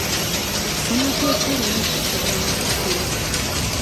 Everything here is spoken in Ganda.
Ssemateeka alina okussibwamu ekitiibwa.